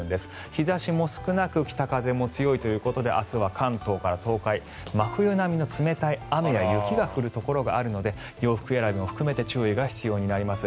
日差しも少なく北風も強いということで明日は関東から東海真冬並みの冷たい雨や雪が降るところがあるので洋服選びも含めて注意が必要になります。